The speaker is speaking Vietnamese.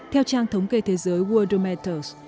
theo trang thống kê thế giới worldometers